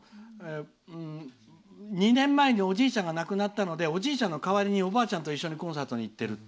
２年前におじいちゃんが亡くなったのでおじいちゃんの代わりにおばあちゃんと一緒にコンサートに行ってるって。